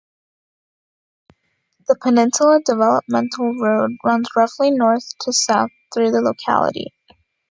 The Peninsula Developmental Road runs roughly north to south through the locality.